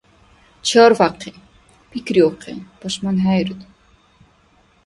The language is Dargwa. Чарвяхъи, пикриухъен – пашманхӏейруд